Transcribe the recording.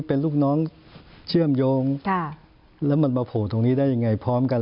เป็นลูกน้องเชื่อมโยงแล้วมันมาโผล่ตรงนี้ได้ยังไงพร้อมกัน